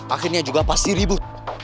akhirnya juga pasti ribut